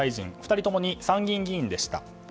２人ともに参議院議員でした。